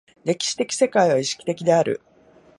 歴史的世界は意識的である。